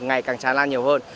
ngày càng tràn lan nhiều hơn